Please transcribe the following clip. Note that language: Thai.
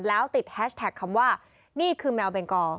แล้วติดแฮชแท็กคำว่านี่คือแมวเบงกอ